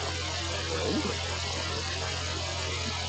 They're English, he quipped.